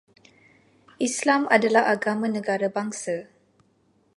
Islam adalah agama negara bangsa